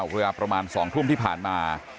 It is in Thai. เวลาประมาณ๒ทุ่มที่ผ่านมา